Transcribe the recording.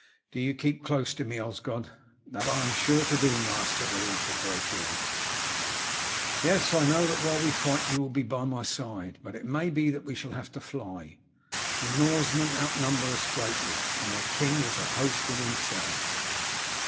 "Do you keep close to me, Osgod." "That I am sure to do, master," the latter broke in. "Yes, I know that while we fight you will be by my side, but it may be that we shall have to fly. The Norsemen outnumber us greatly, and their king is a host in himself.